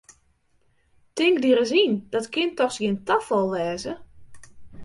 Tink dy ris yn, dat kin dochs gjin tafal wêze!